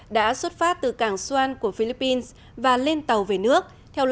đã xuất phát từ cảng soan của philippines và lên tàu về nước